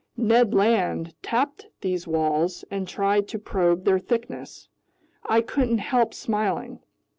Ned Land tapped these walls and tried to probe their thickness. I couldn't help smiling.